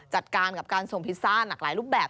จัดการกับการส่งพิซซ่าหลากหลายรูปแบบ